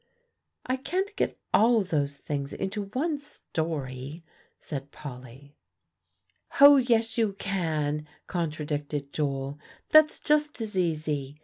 "I can't get all those things into one story," said Polly. "Hoh! yes you can," contradicted Joel; "that's just as easy.